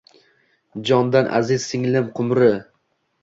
«Jondan aziz singlim Qumri!